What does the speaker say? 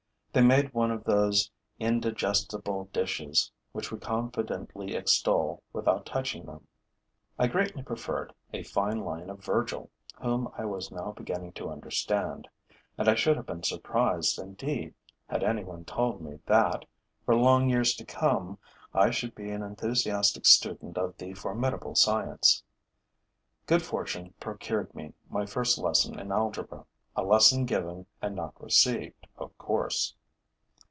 They made one of those indigestible dishes which we confidently extol without touching them. I greatly preferred a fine line of Virgil, whom I was now beginning to understand; and I should have been surprised indeed had any one told me that, for long years to come, I should be an enthusiastic student of the formidable science. Good fortune procured me my first lesson in algebra, a lesson given and not received, of course.